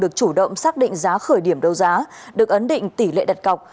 được chủ động xác định giá khởi điểm đấu giá được ấn định tỷ lệ đặt cọc